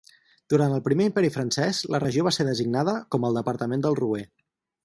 Durant el Primer Imperi Francès la regió va ser designada com el Departament del Roer.